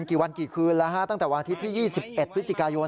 กี่วันกี่คืนแล้วฮะตั้งแต่วันอาทิตย์ที่๒๑พฤศจิกายน